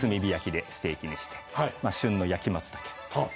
旬の焼きマツタケ添えて。